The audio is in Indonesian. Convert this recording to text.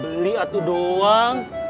beli satu doang